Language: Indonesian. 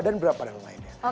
dan beberapa yang lainnya